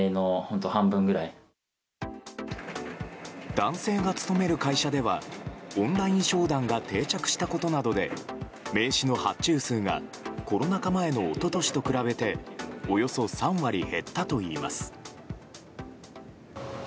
男性が勤める会社ではオンライン商談が定着したことなどで名刺の発注数がコロナ禍前の一昨年と比べておよそ３割減ったといいます。